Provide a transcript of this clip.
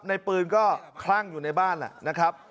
ในปืนก็คลั่งอยู่ในบ้านแหละนะครับ